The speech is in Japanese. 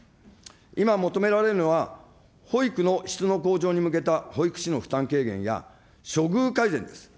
今求められるのは、保育の質の向上に向けた保育士の負担軽減や、処遇改善です。